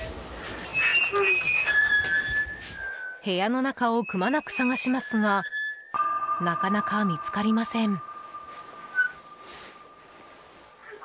部屋の中をくまなく探しますがなかなか見つかりません。